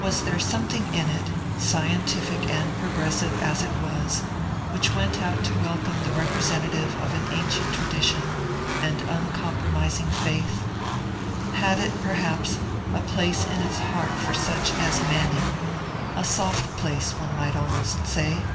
Was there something in it, scientific and progressive as it was, which went out to welcome the representative of ancient tradition and uncompromising faith? Had it, perhaps, a place in its heart for such as Manning a soft place, one might almost say?